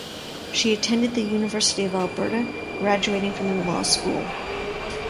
She attended the University of Alberta, graduating from their law school.